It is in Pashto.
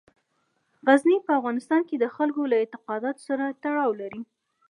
غزني په افغانستان کې د خلکو له اعتقاداتو سره تړاو لري.